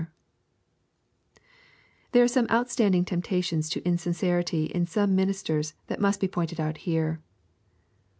There are some outstanding temptations to insincerity in some ministers that must be pointed out here.